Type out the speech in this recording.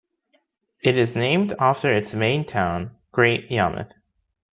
It is named after its main town, Great Yarmouth.